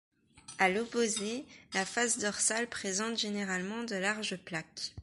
A l'opposé, la face dorsale présente généralement de larges plaques.